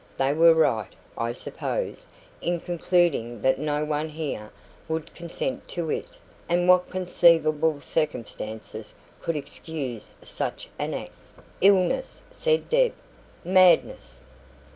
They were right, I suppose, in concluding that no one here would consent to it; and what conceivable circumstances could excuse such an act?" "Illness," said Deb. "Madness."